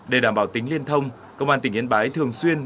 để đảm bảo tính liên thông công an tỉnh yên bái thường xuyên